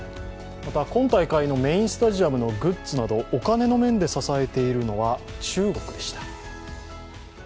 また、今大会のメインスタジアムのグッズなどお金の面で支えているのは中国でした。